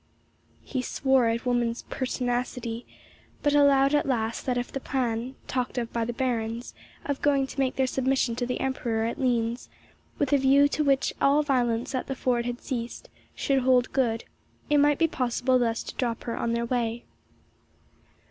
He swore at woman's pertinacity, but allowed at last that if the plan, talked of by the Barons, of going to make their submission to the Emperor at Linz, with a view to which all violence at the ford had ceased, should hold good, it might be possible thus to drop her on their way.